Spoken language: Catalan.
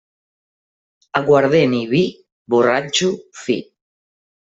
Aiguardent i vi, borratxo fi.